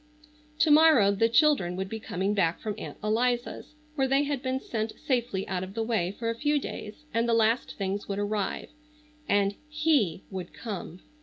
To morrow the children would be coming back from Aunt Eliza's, where they had been sent safely out of the way for a few days, and the last things would arrive,—and he would come.